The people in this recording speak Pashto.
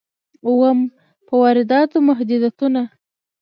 اووم: په وارداتو محدودیتونه.